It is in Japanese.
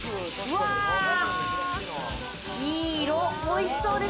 いい色、おいしそうです。